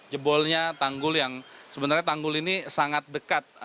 jebolnya tanggul yang sebenarnya tanggul ini sangat dekat